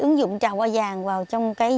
ứng dụng trà hoa vàng vào trong